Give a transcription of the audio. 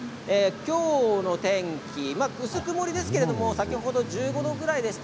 今日の天気、薄曇りですけど先ほど１５度ぐらいでした。